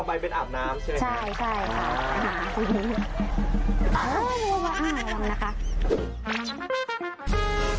ต่อไปเป็นอาบน้ำใช่ไหมคะใช่